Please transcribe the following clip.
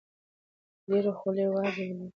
د ډېرو خولې وازې ولیدې.